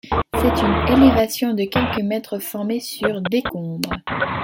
C'est une élévation de quelques mètres formée sur décombres.